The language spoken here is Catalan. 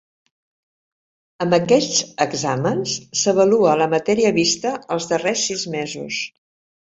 Amb aquests exàmens s'avalua la matèria vista els darrers sis mesos.